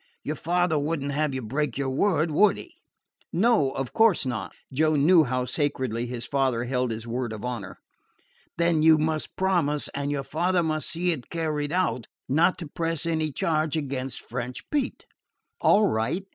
Your father would n't have you break your word, would he?" "No; of course not." Joe knew how sacredly his father held his word of honor. "Then you must promise, and your father must see it carried out, not to press any charge against French Pete." "All right.